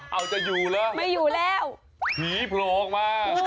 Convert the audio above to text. เอาจะอยู่แล้วไม่อยู่แล้วผีโผล่ออกมา